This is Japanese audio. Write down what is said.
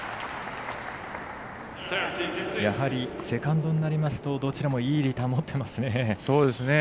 やはりセカンドになりますとどちらも、いいリターン持っていますね。